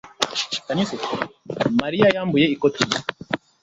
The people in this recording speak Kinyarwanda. mariya yambuye ikoti rye